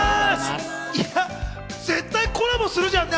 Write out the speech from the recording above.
いや、絶対コラボするじゃんね！